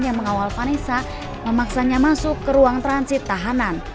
yang mengawal vanessa memaksanya masuk ke ruang transit tahanan